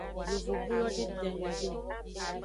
Yovogbulo de bia nyuiede o.